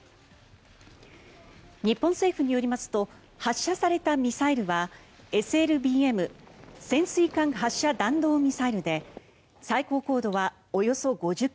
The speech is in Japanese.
日本政府によりますと発射されたミサイルはＳＬＢＭ・潜水艦発射弾道ミサイルで最高高度はおよそ５０ｋｍ